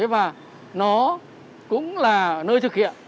và nó cũng là nơi thực hiện